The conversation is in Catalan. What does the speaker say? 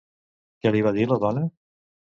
Què li va dir la dona?